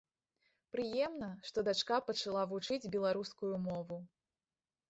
Прыемна, што дачка пачала вучыць беларускую мову.